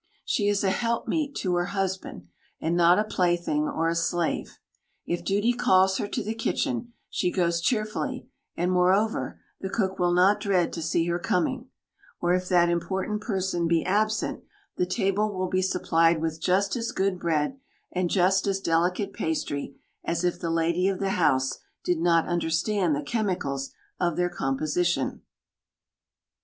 She is a helpmeet to her husband, and not a plaything, or a slave. If duty calls her to the kitchen, she goes cheerfully, and, moreover, the cook will not dread to see her coming; or if that important person be absent, the table will be supplied with just as good bread, and just as delicate pastry, as if the lady of the house did not understand the chemicals of their composition.